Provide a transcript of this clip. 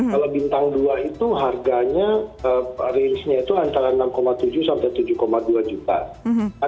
kalau bintang dua itu harganya rangenya itu antara enam tujuh sampai tujuh dua juta